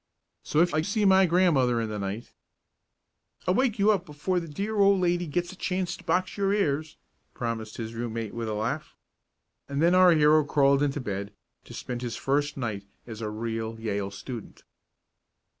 So if I see my grandmother in the night " "I'll wake you up before the dear old lady gets a chance to box your ears," promised his room mate with a laugh. And then our hero crawled into bed to spend his first night as a real Yale student.